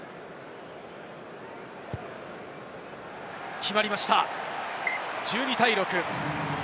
決まりました、１２対６！